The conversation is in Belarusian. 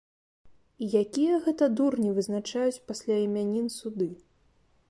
І якія гэта дурні вызначаюць пасля імянін суды?